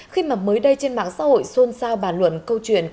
khi mà mới đây trên mạng xã hội xôn xao bà luận câu chuyện